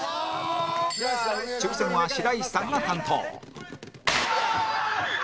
抽選は白石さんが担当